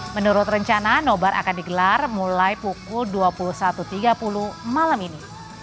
menurut rencana nobar akan digelar mulai pukul dua puluh satu tiga puluh malam ini